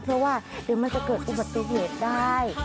เพราะว่าเดี๋ยวมันจะเกิดอุบัติเหตุได้